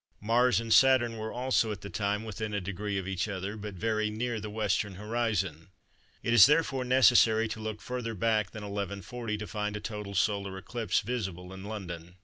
Mars and Saturn were also, at that time, within a degree of each other, but very near the western horizon. It is therefore necessary to look further back than 1140 to find a total solar eclipse visible in London.